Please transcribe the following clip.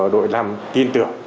đội năm tin tưởng